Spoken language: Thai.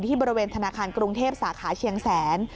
บริเวณธนาคารกรุงเทพสาขาเชียงแสน